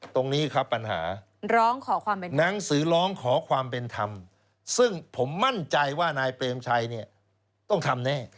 ตรงนี้ครับปัญหาร้องขอความเป็นหนังสือร้องขอความเป็นธรรมซึ่งผมมั่นใจว่านายเปรมชัยเนี่ยต้องทำแน่